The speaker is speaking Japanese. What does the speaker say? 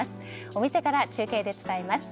お店から中継で伝えます。